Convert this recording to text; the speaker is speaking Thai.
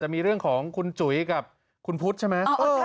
แต่มีเรื่องของคุณจุ๋ยกับคุณพุทธใช่ไหม